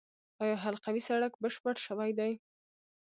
آیا حلقوي سړک بشپړ شوی دی؟